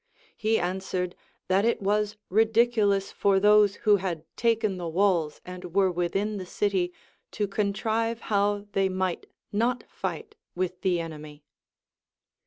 He an swered, that it was ridiculous for those who had taken the walls and Avere within the city to contrive how they might not fight with the enemy.